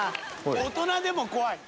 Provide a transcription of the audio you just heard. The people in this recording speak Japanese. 大人でも怖い。